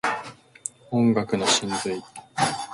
音楽の真髄